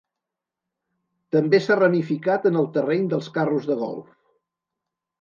També s'ha ramificat en el terreny dels carros de golf.